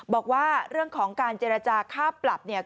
บอกว่าเรื่องของการเจรจาค่าปรับเนี่ย